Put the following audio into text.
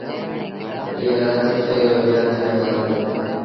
اُئي رآت سسئيٚ رو ويهآݩ ٿيٚڻ وآرو هُݩدو۔